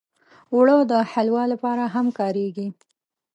اوړه د حلوا لپاره هم کارېږي